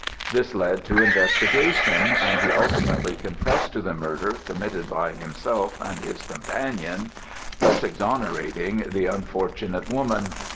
This led to investigation, and he ultimately confessed to the murder committed by himself and his companion, thus exonerating the unfortunate woman.